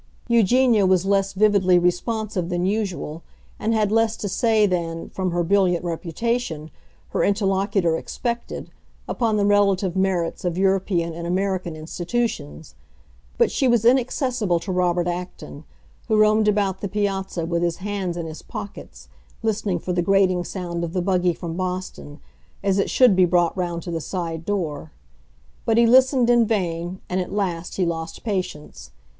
Eugenia was less vividly responsive than usual and had less to say than, from her brilliant reputation, her interlocutor expected, upon the relative merits of European and American institutions; but she was inaccessible to Robert Acton, who roamed about the piazza with his hands in his pockets, listening for the grating sound of the buggy from Boston, as it should be brought round to the side door. But he listened in vain, and at last he lost patience.